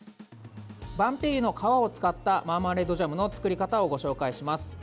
ばんぺいゆの皮を使ったマーマレードジャムの作り方をご紹介します。